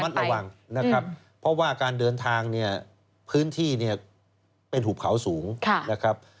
ระวังนะครับเพราะว่าการเดินทางเนี่ยพื้นที่เนี่ยเป็นหุบเขาสูงนะครับ